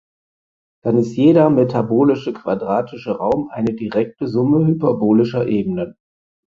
Dann ist jeder metabolische quadratische Raum eine direkte Summe hyperbolischer Ebenen.